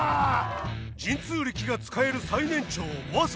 神通力が使える最年長ワサ。